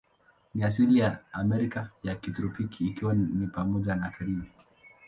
Ni asili ya Amerika ya kitropiki, ikiwa ni pamoja na Karibi.